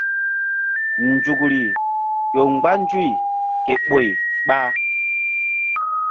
Nzukri ƴo mgba nzuy ke ɓoy ɓa.